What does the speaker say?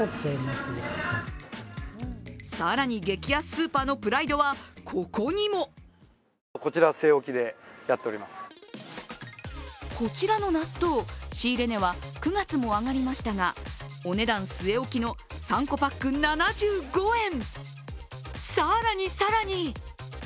更に激安スーパーのプライドはここにもこちらの納豆、仕入れ値は９月も上がりましたがお値段据え置きの３個パック７５円。